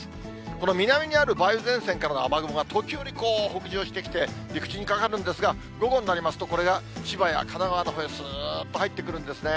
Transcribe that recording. この南にある梅雨前線からの雨雲が時折北上してきて陸地にかかるんですが、午後になりますと、これが千葉や神奈川のほうへ、すーっと入ってくるんですね。